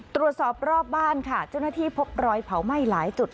ตรวจสอบรอบบ้านค่ะเจ้าหน้าที่พบรอยเผาไหม้หลายจุด